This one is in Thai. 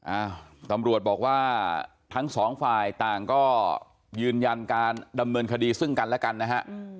อ้าวตำรวจบอกว่าทั้งสองฝ่ายต่างก็ยืนยันการดำเนินคดีซึ่งกันและกันนะฮะ